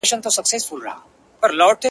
ته به سیوری د رقیب وهې په توره -